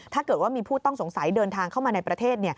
ถ้าเกิดว่ามีผู้ต้องสงสัยเดินทางเข้ามาในประเทศ